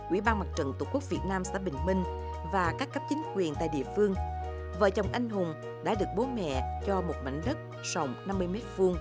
ủy ban mặt trận tổ quốc việt nam xã bình minh và các cấp chính quyền tại địa phương vợ chồng anh hùng đã được bố mẹ cho một mảnh đất sòng năm mươi m hai